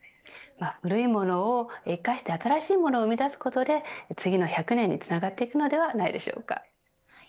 古いものを生かして新しいものを生み出すことで次の１００年につながっていくのではないでしょうか。